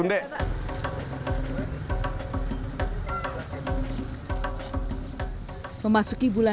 ini berapa juta juta